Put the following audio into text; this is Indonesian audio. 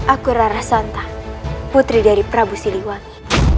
aku rara santa putri dari prabu siliwami